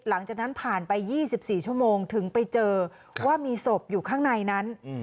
หลังจากนั้นผ่านไป๒๔ชั่วโมงถึงไปเจอว่ามีศพอยู่ข้างในนั้น